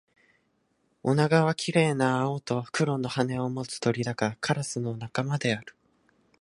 オナガは綺麗な青と黒の羽を持つ鳥だが、カラスの仲間である